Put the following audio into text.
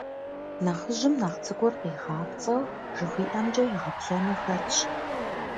Нэхъыжьым нэхъ цӏыкӏур, къигъапцӏэу, жыхуиӏэмкӏэ игъэплъэну хэтщ.